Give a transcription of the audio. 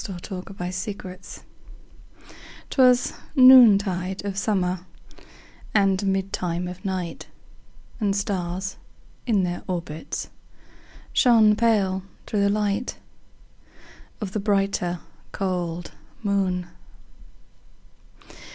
1827 Evening Star 'Twas noontide of summer, And midtime of night, And stars, in their orbits, Shone pale, through the light Of the brighter, cold moon.